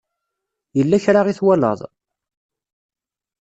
Yella kra i twalaḍ?